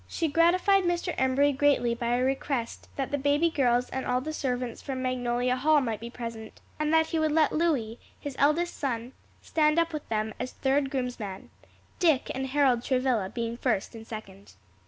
She gratified Mr. Embury greatly by a request that the baby girls and all the servants from Magnolia Hall might be present, and that he would let Louis, his eldest son, stand up with them as third groomsman, Dick and Harold Travilla being first and second.